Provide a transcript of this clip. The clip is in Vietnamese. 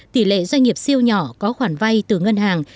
tỷ lệ doanh nghiệp siêu nhỏ có khoản vay từ ngân hàng